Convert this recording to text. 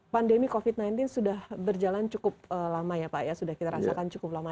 pandemi covid sembilan belas sudah berjalan cukup lama ya pak ya sudah kita rasakan cukup lama